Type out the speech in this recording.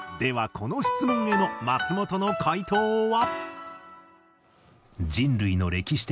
この質問への松本の回答は。